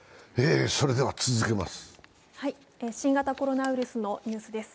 新型コロナウイルスのニュースです。